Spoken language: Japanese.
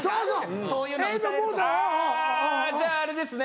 じゃああれですね